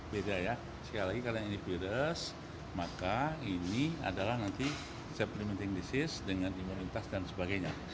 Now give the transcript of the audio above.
beda ya sekali lagi karena ini virus maka ini adalah nanti supplimating disease dengan imunitas dan sebagainya